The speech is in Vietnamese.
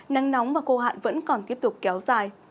nắng nóng và khô hạn vẫn còn tiếp tục kéo dài